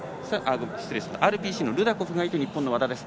失礼しましたＲＰＣのルダコフがいて日本の和田です。